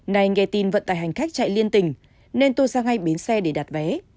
này nghe tin vận tải hành khách chạy liên tình nên tôi ra ngay bến xe để đặt vé